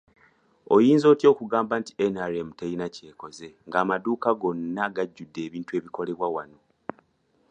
Oyinza otya okugamba nti NRM terina kyekoze ng'amaduuka gonna gajjudde ebintu ebikoleddwa wano.